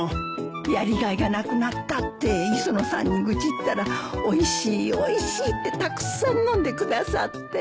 やりがいがなくなったって磯野さんに愚痴ったらおいしいおいしいってたくさん飲んでくださって。